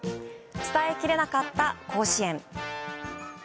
伝えきれなかった甲子園。